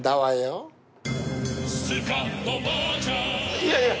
いやいや。